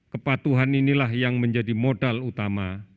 kepatuhan inilah yang menjadi modal utama